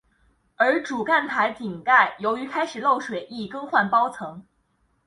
而主看台顶盖由于开始漏水亦更换包层。